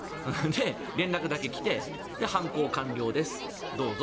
連絡だけ来て犯行完了です、どうぞ。